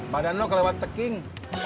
badan lu kelewat ceking